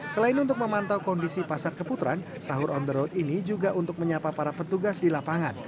selain untuk memantau kondisi pasar keputaran sahur on the road ini juga untuk menyapa para petugas di lapangan